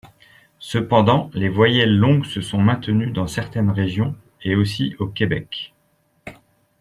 Cependant les voyelles longues se sont maintenues dans certaines régions et aussi au Québec.